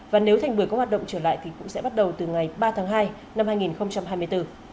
và nếu thành bưởi có hoạt động trở lại thì cũng sẽ bắt đầu từ ngày ba tháng hai năm hai nghìn hai mươi bốn